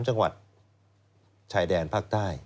จังหวัดชายแดนภาคใต้